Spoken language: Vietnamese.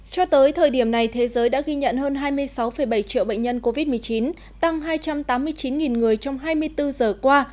cho tới thời điểm này thế giới đã ghi nhận hơn hai mươi sáu bảy triệu bệnh nhân covid một mươi chín tăng hai trăm tám mươi chín người trong hai mươi bốn giờ qua